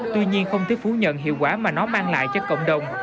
tuy nhiên không thể phủ nhận hiệu quả mà nó mang lại cho cộng đồng